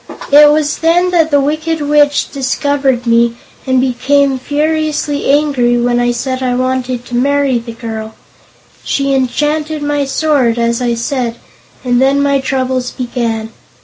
It was then that the Wicked Witch discovered me and became furiously angry when I said I wanted to marry the girl. She enchanted my sword, as I said, and then my troubles began.